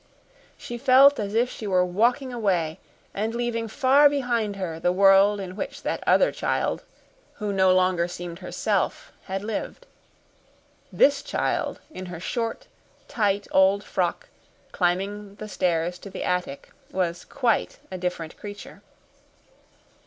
She felt as if she were walking away and leaving far behind her the world in which that other child, who no longer seemed herself, had lived. This child, in her short, tight old frock, climbing the stairs to the attic, was quite a different creature.